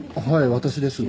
私ですが。